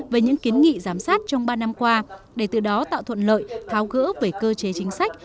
về những kiến nghị giám sát trong ba năm qua để từ đó tạo thuận lợi tháo gỡ về cơ chế chính sách